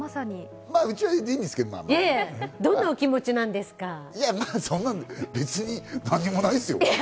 どんなお気持ちなんですか？